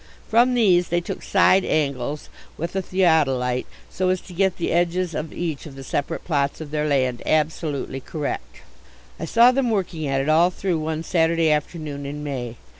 From these they took side angles with a theodolite so as to get the edges of each of the separate plots of their land absolutely correct. I saw them working at it all through one Saturday afternoon in May.